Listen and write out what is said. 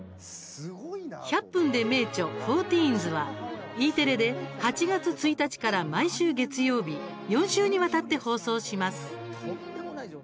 「１００分ｄｅ名著ｆｏｒティーンズ」はＥテレで８月１日から毎週月曜日４週にわたって放送します。